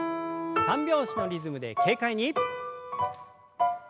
三拍子のリズムで軽快に。